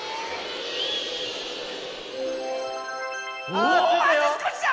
おあとすこしだ！